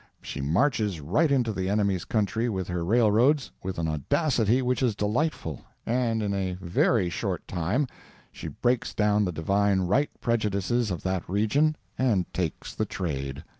She marches right into the enemy's country with her railroads, with an audacity which is delightful, and in a very short time she breaks down the "divine right" prejudices of that region and takes the trade.